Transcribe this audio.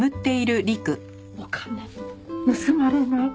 お金盗まれない？